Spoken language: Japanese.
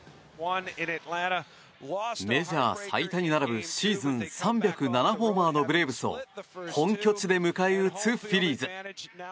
メジャー最多に並ぶシーズン３０７ホーマーのブレーブスを本拠地で迎え撃つフィリーズ。